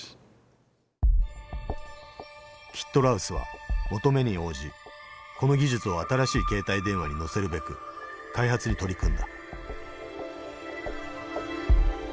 キットラウスは求めに応じこの技術を新しい携帯電話に載せるべく開発に取り組んだ。